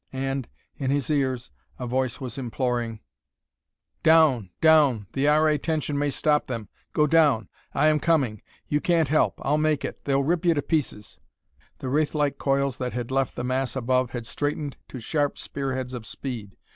And, in his ears, a voice was imploring: "Down! down! The R. A. tension may stop them!... Go down! I am coming you can't help I'll make it they'll rip you to pieces " The wraith like coils that had left the mass above had straightened to sharp spear heads of speed.